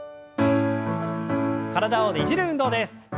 体をねじる運動です。